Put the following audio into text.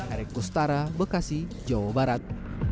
erik kustara bekasi jawa barat